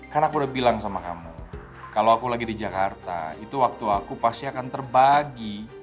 karena aku udah bilang sama kamu kalau aku lagi di jakarta itu waktu aku pasti akan terbagi